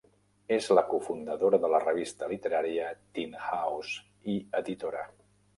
És la cofundadora de la revista literària "Tin House" i editora.